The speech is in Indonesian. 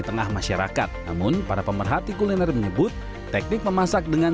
tengah masyarakat namun para pemerhati kuliner menyebut teknik memasak dengan